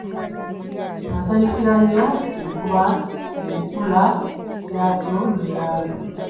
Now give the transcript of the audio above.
Nasanyukira nnyo enkula yaazo ne langi.